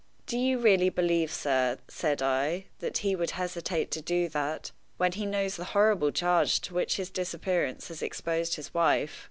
"Do you really believe, sir," said I, "that he would hesitate to do that, when he knows the horrible charge to which his disappearance has exposed his wife?